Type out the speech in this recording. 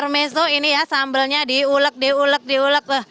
masnya diulek diulek diulek